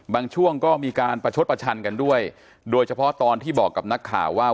ช่วงก็มีการประชดประชันกันด้วยโดยเฉพาะตอนที่บอกกับนักข่าวว่า